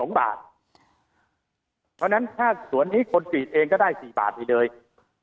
เพราะฉะนั้นถ้าสวนนี้คนฉีดเองก็ได้๔บาทไปเลย